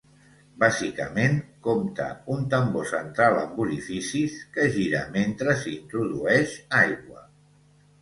Bàsicament, compta un tambor central amb orificis, que gira mentre s'hi introdueix aigua.